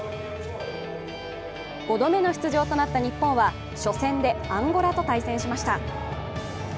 ５度目の出場となった日本は初戦でアンゴラと対戦しました。